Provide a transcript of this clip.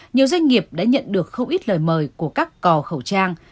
nhiều doanh nghiệp đã nhận được không ít lời mời của các cò khẩu trang